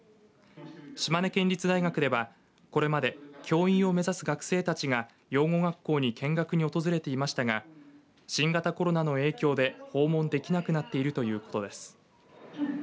島根県立大学ではこれまで教員を目指す学生たちが養護学校に見学に訪れていましたが新型コロナの影響で訪問できなくなっているということです。